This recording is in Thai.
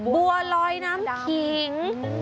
บัวลอยน้ำขิง